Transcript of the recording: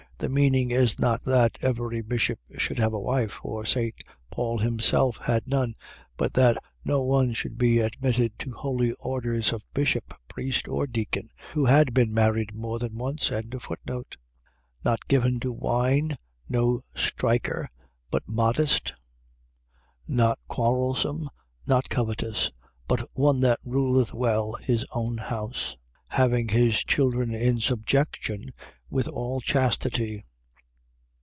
.. The meaning is not that every bishop should have a wife (for St. Paul himself had none), but that no one should be admitted to the holy orders of bishop, priest, or deacon, who had been married more than once. 3:3. Not given to wine, no striker, but modest, not quarrelsome, not covetous, but 3:4. One that ruleth well his own house, having his children in subjection with all chastity.